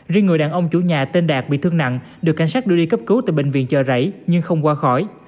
riêng người đàn ông chủ nhà tên đạt bị thương nặng được cảnh sát đưa đi cấp cứu tại bệnh viện chờ rảy nhưng không qua khỏi